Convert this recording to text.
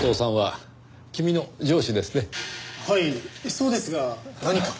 はいそうですが何か？